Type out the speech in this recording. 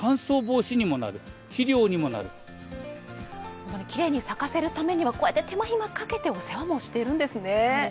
本当にきれいに咲かせるためにはこうやって手間暇かけて、お世話もしているんですね。